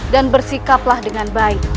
dan bersikaplah dengan baik